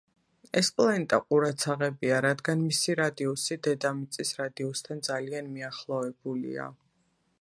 ეს პლანეტა ყურადსაღებია, რადგან მისი რადიუსი დედამიწის რადიუსთან ძალიან მიახლოებულია.